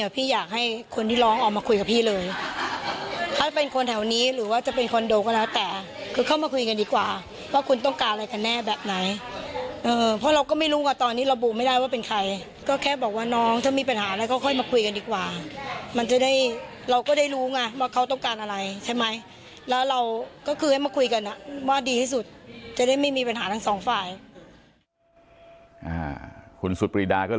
พี่อยากให้คนที่ร้องออกมาคุยกับพี่เลยถ้าเป็นคนแถวนี้หรือว่าจะเป็นคอนโดก็แล้วแต่คือเข้ามาคุยกันดีกว่าว่าคุณต้องการอะไรกันแน่แบบไหนเพราะเราก็ไม่รู้ว่าตอนนี้ระบุไม่ได้ว่าเป็นใครก็แค่บอกว่าน้องถ้ามีปัญหาแล้วก็ค่อยมาคุยกันดีกว่ามันจะได้เราก็ได้รู้ไงว่าเขาต้องการอะไรใช่ไหมแล้วเราก็คือให้มาคุยกันว่าดีที่สุดจะได้ไม่มีปัญหาทั้งสองฝ่าย